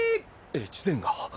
越前が。